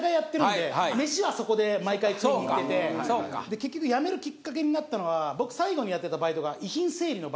結局辞めるきっかけになったのは僕最後にやってたバイトが。